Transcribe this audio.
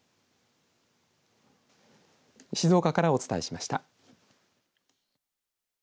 静岡からお伝えしました。